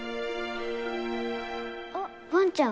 あっワンちゃん。